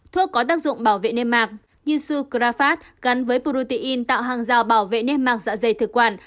thuốc có tác dụng bảo vệ nêm mạc như sucrafat gắn với protein tạo hàng rào bảo vệ nêm mạc dạ dày thực quản